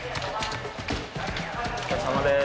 お疲れさまです。